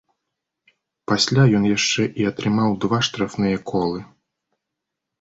Пасля ён яшчэ і атрымаў два штрафныя колы.